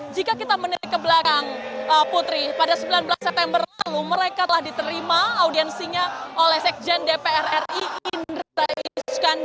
jika kita menelik ke belakang putri pada sembilan belas september lalu mereka telah diterima audiensinya oleh sekjen dpr ri indra iskandi